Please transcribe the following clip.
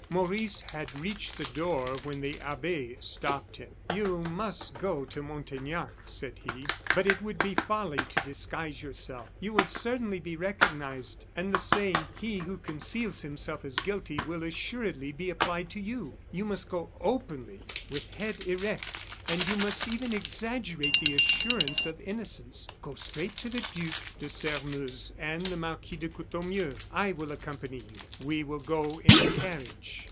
Maurice had reached the door when the abbe stopped him. "You must go to Montaignac," said he, "but it would be folly to disguise yourself. You would certainly be recognized, and the saying: 'He who conceals himself is guilty,' will assuredly be applied to you. You must go openly, with head erect, and you must even exaggerate the assurance of innocence. Go straight to the Duc de Sairmeuse and the Marquis de Courtornieu. I will accompany you; we will go in the carriage."